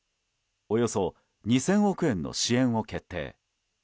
およそ２０００億円の支援を決定。